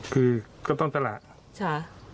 คือก็ต้องตลาด